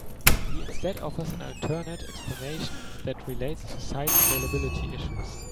He instead offers an alternate explanation that relates to site scalability issues.